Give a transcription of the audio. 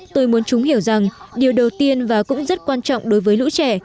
tôi muốn chúng hiểu rằng điều đầu tiên và cũng rất quan trọng đối với lũ trẻ